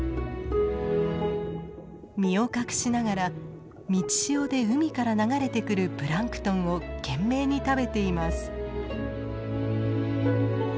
身を隠しながら満ち潮で海から流れてくるプランクトンを懸命に食べています。